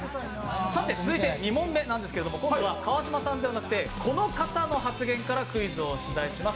続いて２問目なんですが、今度は川島さんではなくてこの方の発言からクイズを出題します。